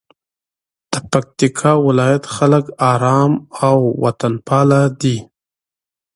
د پکتیکا ولایت خلک آرام او وطنپاله دي.